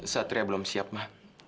satria belum siap ma